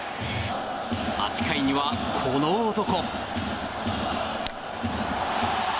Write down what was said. ８回には、この男。